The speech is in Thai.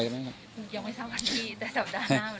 ยังไม่ทราบวันที่ได้สัปดาห์หน้า